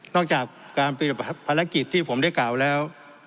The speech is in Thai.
จากการปฏิบัติภารกิจที่ผมได้กล่าวแล้ว